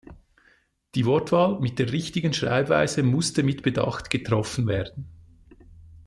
Die Wortwahl mit der richtigen Schreibweise muss mit Bedacht getroffen werden.